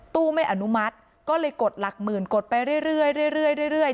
ตู้ไม่อนุมัติก็เลยกดหลักหมื่นกดไปเรื่อยเรื่อยเรื่อยเรื่อยเรื่อย